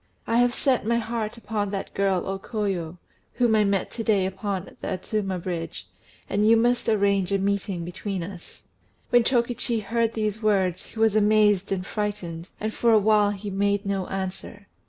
I have set my heart upon that girl O Koyo, whom I met to day upon the Adzuma Bridge, and you must arrange a meeting between us." When Chokichi heard these words, he was amazed and frightened, and for a while he made no answer.